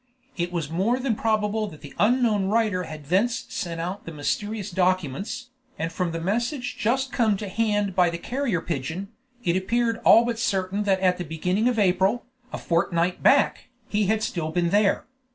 It was more than probable that the unknown writer had thence sent out the mysterious documents, and from the message just come to hand by the carrier pigeon, it appeared all but certain that at the beginning of April, a fortnight back, he had still been there.